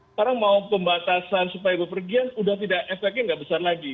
sekarang mau pembatasan supaya pepergian efeknya sudah tidak besar lagi